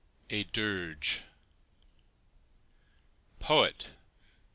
A DIRGE. Poet!